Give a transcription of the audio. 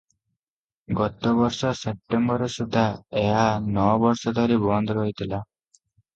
ଗତ ବର୍ଷ ସେପ୍ଟେମ୍ବର ସୁଦ୍ଧା ଏହା ନଅ ବର୍ଷ ଧରି ବନ୍ଦ ରହିଥିଲା ।